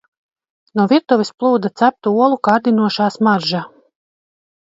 No virtuves plūda ceptu olu kārdinošā smarža.